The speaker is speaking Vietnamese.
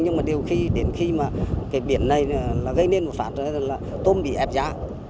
nhưng mà điều khi đến khi mà cái biển này gây nên một phản là tôm bị ép giá